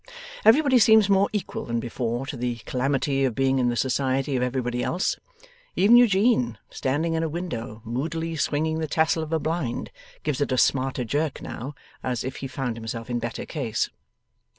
Everybody seems more equal than before, to the calamity of being in the society of everybody else. Even Eugene standing in a window, moodily swinging the tassel of a blind, gives it a smarter jerk now, as if he found himself in better case.